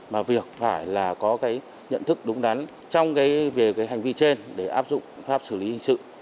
mà việc phải là có cái nhận thức đúng đắn trong cái về cái hành vi trên để áp dụng pháp xử lý hình sự